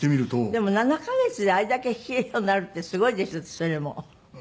でも７カ月であれだけ弾けるようになるってすごいですよそれも。